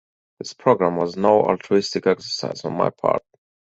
This program was no altruistic exercise on my part.